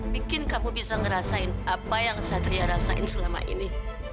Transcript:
bikin kamu bisa ngerasain apa yang satria rasain selama ini